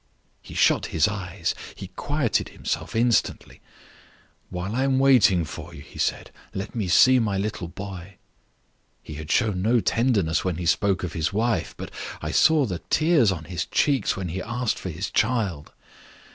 He shut his eyes; he quieted himself instantly. 'While I am waiting for you,' he said, 'let me see my little boy.' He had shown no tenderness when he spoke of his wife, but I saw the tears on his cheeks when he asked for his child.